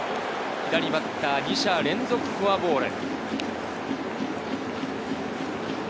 左バッターに２者連続フォアボール。